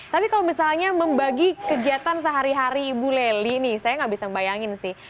tapi kalau misalnya membagi kegiatan sehari hari ibu leli nih saya nggak bisa membayangin sih